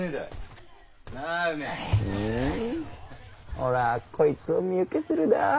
おらこいつを身請けするだ。